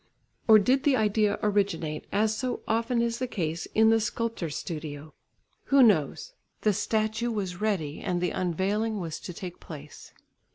Or did the idea originate, as so often is the case in the sculptor's studio? Who knows? The statue was ready and the unveiling was to take place.